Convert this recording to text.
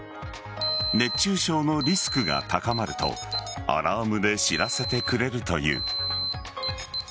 熱中症のリスクが高まるとアラームで知らせてくれるという。